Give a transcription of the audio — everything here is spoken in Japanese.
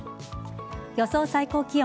予想最高気温。